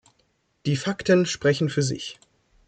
Die Fakten sprechen für sich.